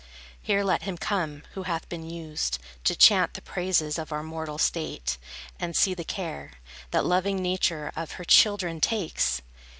Here let him come, who hath been used To chant the praises of our mortal state, And see the care, That loving Nature of her children takes!